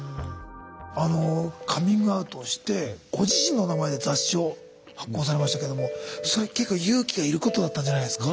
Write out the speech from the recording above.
あのカミングアウトしてご自身の名前で雑誌を発行されましたけどもそれ結構勇気がいることだったんじゃないですか。